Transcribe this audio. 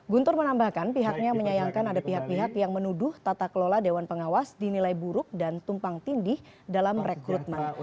guntur menambahkan pihaknya menyayangkan ada pihak pihak yang menuduh tata kelola dewan pengawas dinilai buruk dan tumpang tindih dalam rekrutmen